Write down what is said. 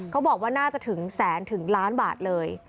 เขาบอกว่าน่าจะถึง๑๐๐๐๐๐๑๐๐๐๐๐๐บาทเลย